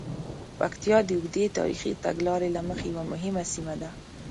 پکتیا د اوږدې تاریخي تګلارې له مخې یوه مهمه سیمه ده.